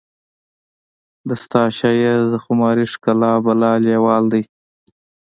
د ستا شاعر د خماري ښکلا بلا لیوال دی